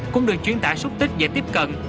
cũng được chuyên tả súc tích dễ tiếp cận